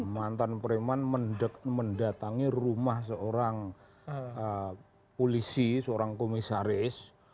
mantan preman mendatangi rumah seorang polisi seorang komisaris